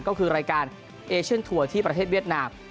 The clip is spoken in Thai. ก็คือรายการเอเชียนทัวร์ที่ประเทศเวียดนาม